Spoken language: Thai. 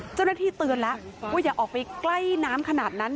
เจ้าหน้าที่เตือนแล้วว่าอย่าออกไปใกล้น้ำขนาดนั้น